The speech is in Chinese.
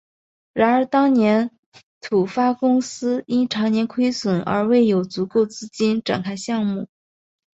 然而当年土发公司因长年亏损而未有足够资金展开项目。